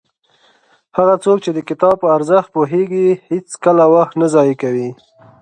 هغه څوک چې د کتاب په ارزښت پوهېږي هېڅکله وخت نه ضایع کوي.